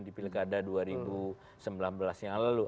di pilkada dua ribu sembilan belas yang lalu